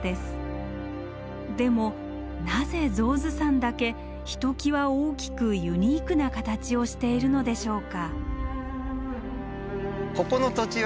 でもなぜ象頭山だけひときわ大きくユニークな形をしているのでしょうか。